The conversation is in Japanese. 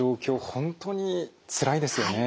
本当につらいですよね。